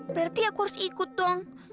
berarti aku harus ikut dong